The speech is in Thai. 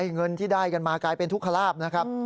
เงินที่ได้กันมากลายเป็นทุกขลาบนะครับ